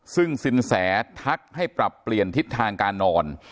ซึ่งสินแสทักให้ปรับเปลี่ยนทิศทางการนอน